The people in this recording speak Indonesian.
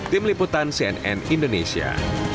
tim liputan cnn indonesia